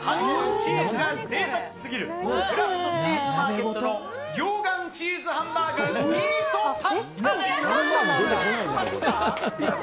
チーズがぜいたくすぎる、クラフト・チーズ・マーケットの溶岩チーズハンバーグミートパスやったー！